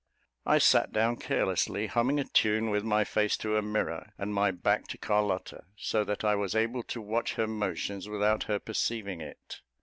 I sat down carelessly, humming a tune, with my face to a mirror, and my back to Carlotta, so that I was able to watch her motions without her perceiving it.